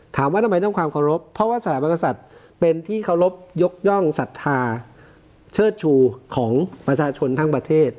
ถามว่าทำไมต้องความเคารพเพราะว่าสถาบันกษัตริย์เป็นที่เคารพยกย่องศรัทธาเชิดชูของประชาชนทั้งประเทศ